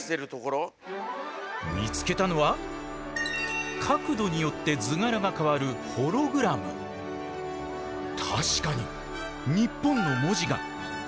見つけたのは角度によって図柄が変わる確かに「ＮＩＰＰＯＮ」の文字が。